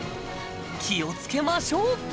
気をつけましょう。